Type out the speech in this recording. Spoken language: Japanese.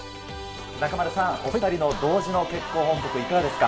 中丸さん、お２人の同時の結婚報告、いかがですか？